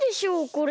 これ。